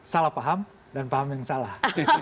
salah paham dan paham yang salah